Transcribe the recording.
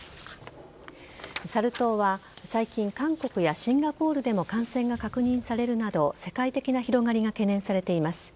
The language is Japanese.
サル痘は最近韓国やシンガポールでも感染が確認されるなど世界的な広がりが懸念されています。